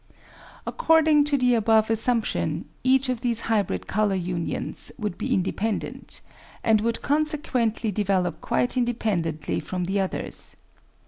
1 According to the above assumption, each of these hybrid colour unions would be independent, and would conse quently develop quite independently from the others.